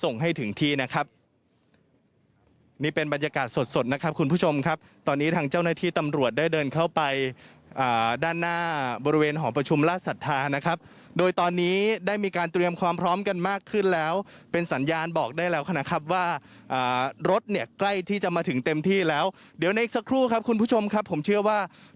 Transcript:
ที่นะครับนี่เป็นบรรยากาศสดสดนะครับคุณผู้ชมครับตอนนี้ทางเจ้าหน้าที่ตำรวจได้เดินเข้าไปด้านหน้าบริเวณหอประชุมราชศรัทธานะครับโดยตอนนี้ได้มีการเตรียมความพร้อมกันมากขึ้นแล้วเป็นสัญญาณบอกได้แล้วนะครับว่ารถเนี่ยใกล้ที่จะมาถึงเต็มที่แล้วเดี๋ยวในอีกสักครู่ครับคุณผู้ชมครับผมเชื่อว่า